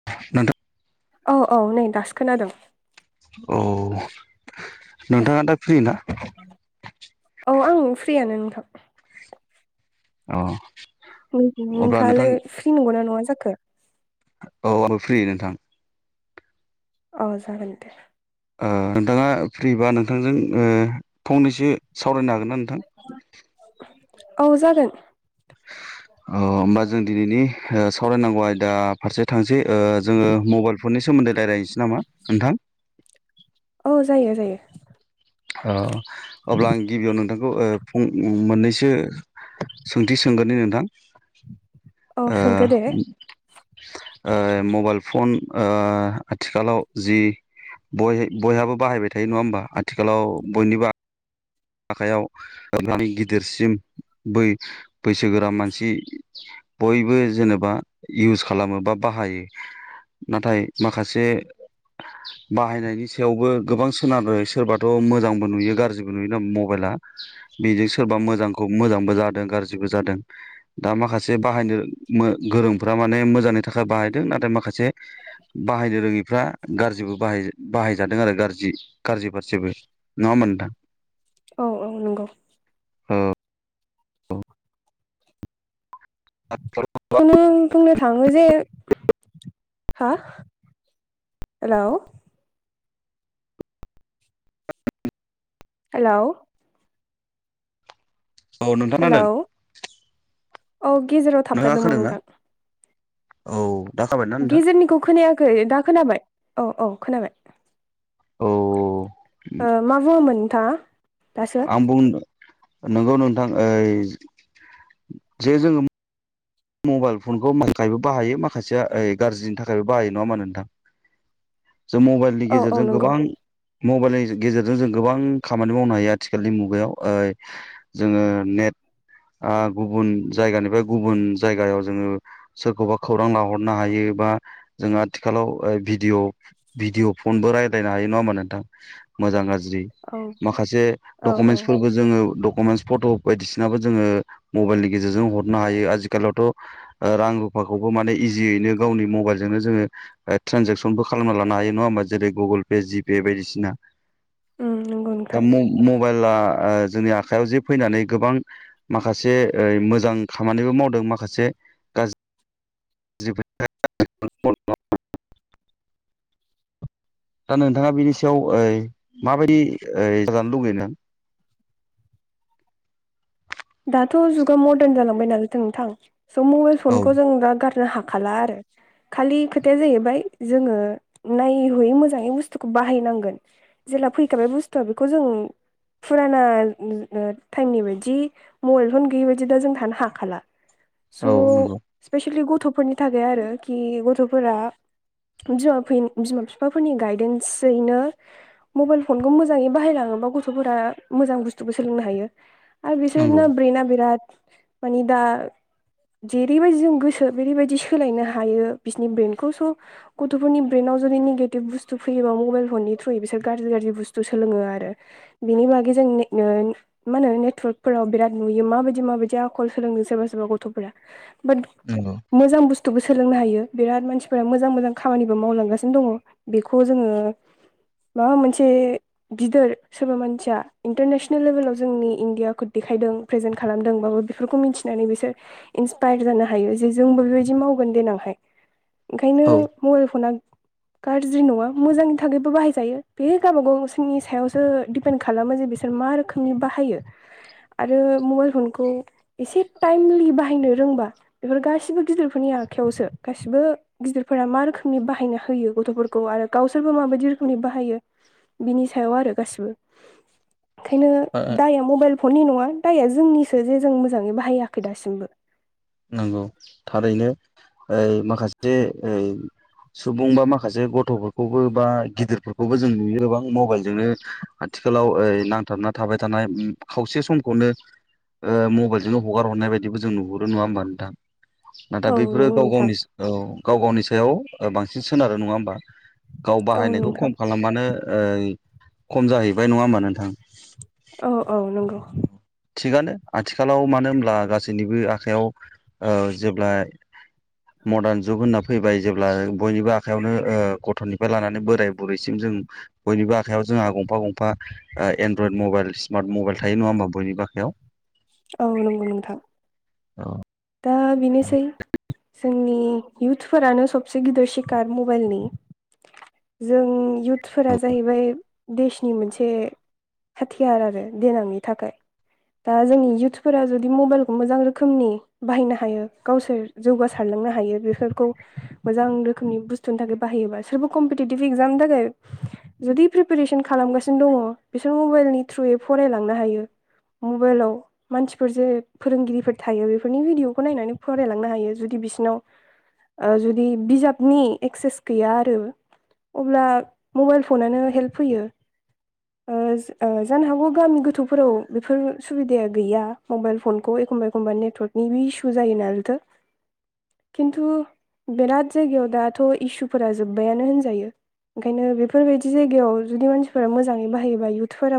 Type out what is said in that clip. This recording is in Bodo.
[unintelligible] औ औ नै दासो खोनादों। औ नोंथाङा दा फ्रि ना। औ आं फ्रियानो नोंथां। अह। नोंथाङालाय फ्रि नंगौ ना नङा जाखो। औ आंबो फ्रि नोंथां। अ जागोन दे। ओ नोंथाङा फ्रिबा नोंथांजों ओ फंनैसो सावरायनो हागोन ना नोंथां। औ जागोन। अ होमबा जों दिनैनि ओ सावरायनांगौ आयदा फारसे थांसै ओ जोङो मबाल फननि सोमोन्दै रायलायनिसै नामा। नोंथां। औ जायो-जायो। ओ अब्ला आं गिबियाव नोंथांखौ ओ फं ओ मोननैसो सोंथि सोंगोरनि नोंथां। औ सोंदो ओह दे ओ मबाइल फन ओ आथिखालाव जि बय बयहाबो बाहायबाय थायो नङा होमबा आथिखालाव बयनिबो आखायाव होबनानै गिदिरसिम बै बैसोगोरा मानसि बयबो जेनेबा इउस खालामो बा बाहायो। नाथाय माखासे बाहायनायनि सायावबो गोबां सोनारो सोरबाथ' मोजांबो नुयो गारजिबो नुयो। नोम मबायला बेजों सोरबा मोजांखौ मोजांबो जादों गारजिबो जादों। दा माखासे बाहायनो मो गोरोंफोरा माने मोजांनि थाखाय बाहायदों नाथाय माखासे बाहायनो रोङिफ्रा गारजिबो बाहाय बाहायजादों आरो गारजि-गारजि फारसेबो। नङा होमबा नोंथां। औ-औ नंगौ। हो। [unintelligible] खुनु बुंनो थाङो जे हा हेलौ हेलौ। औ औ नोंथां हेलौ खोनादों औ गेजेराव नोंथाङा थाबथादोंमोन खोनादों ना नोंथां। औ दा खाबाय गेजेरनिखौ खोनायाखै दा खोनाबाय औ औ खोनाबाय। औ। ओ मा बुंङामोन नोंथाङा। दासो आं बुंनो नोंगौ नोंथां ओय जे जोङो मबाइल फनखौबो बाहायो माखासेया ओइ गारजिनि थाखायबो बाहायो नङा मा नोंथां। जों मबाइलनि औ औ गेजेरजों नंगौ गोबां मबाइलनि गेजेरजों जों गोबां खामानि मावनो हायो आथिखालनि मुगायाव ओय जोङो नेट आ गुबुन जायगानिफ्राय गुबुन जायगायाव जोंङो सोरखौबा खौरां लाहरनो हायो बा जों आथिखालाव भिदिअ भिदिअ फनबो रायज्लायनो हायो नंङा होमबा नोंथां मोजां गाज्रि औ माखासे औ औ दकमेन्सखोबो जों दकमेस फ'ट' बायदिसिनाबो जोङो मबायलनि गेजेरजों हरनो हायो आजि आथिखालावथ' रां रुफाखौबो माने इजियैनो गावनि मबाइलजोंनो जोंङो ट्रेनजेकसनबो खालामना लानो हायो नंङा होमबा जेरै गुगोल पे जिपे बायदिसिना। ओम नोंगौ दा नोंथां। मबाइला जोंनि आखयाव जे फैनानै गोबां माखासे मोजां खामानिबो मावदों माखासे जबो दा नोंथांङा बिनि सायाव माबायदि जानो लुगैयो नोंथां दाथ जुगा मदान जालांबाय नालाय नोंथां स मबाइल औ फनखौ जों दा गारनो हाग हाला आरो खालि खोथाया जाहैबाय जोंङो नाय हैयै मोजांङै बुस्थुखौ बाहायनांगोन जेला फैखाबाय बुस्थुआ बेखौ जों फुराना टाइमनि बायदि मबाइल फन गैयि बायदि दा जों थानो हाखाला औ स नंगौ स्पेसेलि गथफोरनि थाखाय आरो कि गथफोरा बिमा बिमा बिफाफोरनि गायदेन्सयैनो मबाइल फनखौ मोजांङै बाहायलांङोबा गथफोरा मोजां बुस्थुबो सोलोंनो हायो आरो बे नंगौ ब्रेना बिराट मानि दा जेरैबायदि जों गोसो बेेरैबायदि सोलायनो हायो बिसोरनि ब्रेन्डखौस' गथफोरनि ब्रेनाव जुदि निगेटिभ बुस्थु फैयोबा मबाइल फननि थ्रुयै बिसोर गाज्रि गाज्रि बुस्थु सोलोङो आरो बिनि बागै जों मा होनो नेटवर्क फोराव बिरत नुयो माबायदि माबायदि आखल सोलोंदों सोरबा सोरबा गथफोरा बाट औ मोजां बुस्थुबो सोलोंनो हायो बिराद मानसिफोरा मोजां मोजां खामानिबो मावलांगासिनो दंङ बेखौ जोंङो माबा मोनसे गिदिर सोरबा मानसिया इन्टारनेसनेल लेभेलाव जोंनि इण्डियाखौ देखायदों प्र्रेजेन्ट खालामदोंबाबो बेफोरखौ मिथिनानै बिसोर इन्सपायार जानो हायो जे जोंबो बेबायदि मावगोन देनांहाय ओंखायनो औ मबाइल फना गाज्रि नंङा मोजांनि थाखायबो बाहायजायो बे गावबा गाव सिनि सायावसो दिपेन्ड खालामो जे बि बिसोर मा रोखोमनि बाहायो आरो मबाइल फनखौ एसे टाइमलि बाहायनो रोंबा बेफोर गासिबो गिदिरफोरनि आखायावसो गासिबो गिदिरफोरा मा रोखोमनि बाहायना होयो गथफोरखौ आरो गावसोरबो माबायदि रोखोमनि बाहायो बिनि सायाव आरो गासिबो ओंखायनो दाया मबाइल फननि नंङा दाया जोंनिसो जे जों मोजांङै बाहायाखै दासिमबो नोंगौ थारैनो ओ माखासे सुबुं बा माखासे गथफोरखौबो बा गिदिरफोरखौबो जों नुयो गोबां मबाइलजोंनो आथिखालाव ओ नांथाबना थाबाय थानाय खावसे समखौनो मबाइलजोंनो हगार हरनाय बायदिबो जों नुहरो नंङा होमबा नोंथां ना औ बैफोरो नंगौ गाव नोंथां गावनि औ गाव गावनि सायाव बांसिन सोनारो नंङा होमबा गाव औ बाहायनायखौ नोंथां खम खालामबानो खम जाहैबाय नंङा होमबा नोंथां औ औ नंगौ थिगानो आथिखालाव मानो होनब्ला गासैनिबो आखयाव जेब्ला मदान जुग होनना फैबाय जेब्ला बयनिबो आखायावनो गथनिफ्राय लानानै बोराय बुरैसिम जों बयनिबो आखायाव जोंहा गंफा गंफा एनड्रयद मबाइल स्मार्ट मबाइल थायो नंङा होमबा बयनिबो आखायाव औ नंगौ नोंथां औ दा बेनोसै जोंनि इयुथफोरानो सबसे गिदिर सिखार मबाइलनि जों इउथफोरा जाहैबाय देशनि मोनसे हाथियार आरो देनांनि थाखाय दा जोंनि इयुथफोरा जुदि मबाइलखौ मोजां रोखोमनि बाहायनो हायो गावसोर जौगासारलांनो हायो बेफोरखौ मोजां रोखोमनि बुस्थुनि थाखाय बाहायोबा सोरबा कम्पिटिटिभ इक्जामनि थाखाय जुदि प्रिपेरेसन खालामगासिनो दङ बिसोर मबाइलनि थ्रुयै फरायलांनो हायो मबाइलाव मानसिफोर जे फोरोंगिरिफोर थायो बेफोर बेफोरनि भिडिअखौ नायनानै फरायलांनो हायो जुदि बिसिोरनाव ओ जुदि बिजाबनि एक्सेस गैया आरो अब्ला मबाइल फनानो हेल्प होयो ओ जानो हागौ गामि गोथौफोराव बेफोर सुबिदाया गैया मबाइल फनखौ एखमबा एखमबा नेटवर्कनि बे इसु जायो ना नोंथां खिन्थु बेराद जायगायाव दाथ' इसुफोरा जोबबायानो होनजायो। ओंखायनो बेफोरबायदि जायगायाव जुदि मानसिफोरा मोजाङै बाहायोबा इउथफोराव